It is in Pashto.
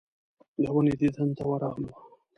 د ونې دیدن ته ورغلو.